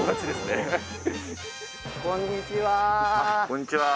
こんにちは。